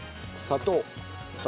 砂糖。